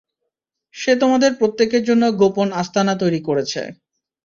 সে তোমাদের প্রত্যেকের জন্য গোপন আস্তানা তৈরি করেছে।